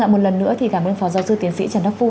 một lần nữa thì cảm ơn phó giáo sư tiến sĩ trần đắc phu